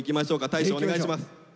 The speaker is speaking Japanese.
大昇お願いします。